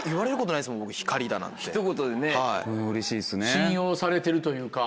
信用されてるというか。